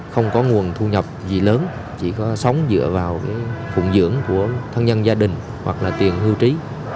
không có nguồn thu nhập gì lớn chỉ có sống dựa vào phụng dưỡng của thân nhân gia đình hoặc là tiền hưu trí